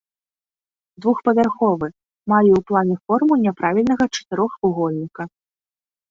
Двухпавярховы, мае ў плане форму няправільнага чатырохвугольніка.